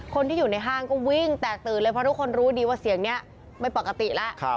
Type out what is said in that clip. คนที่อยู่ในห้างก็วิ่งแตกตื่นเลยเพราะทุกคนรู้ดีว่าเสียงนี้ไม่ปกติแล้ว